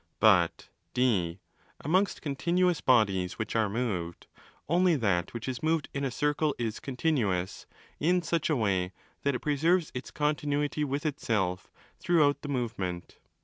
But (d) amongst continuous bodies which are moved, only that which is moved in a circle is 'continuous' in such a way that it preserves its continuity with itself throughout the movement.